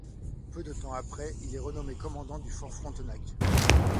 Peu de temps après, il est renommé commandant du fort Frontenac.